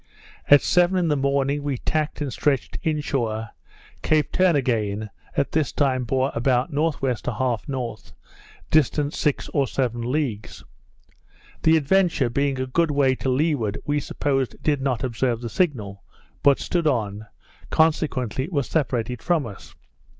At seven in the morning, we tacked and stretched in shore, Cape Turnagain at this time bore about N.W. 1/2 N. distant six or seven leagues. The Adventure, being a good way to leeward, we supposed, did not observe the signal, but stood on; consequently was separated from us.